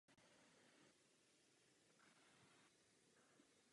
Dnes je ho zapotřebí více než kdy jindy.